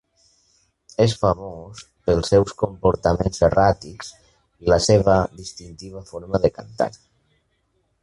És famós pels seus comportaments erràtics i la seva distintiva forma de cantar.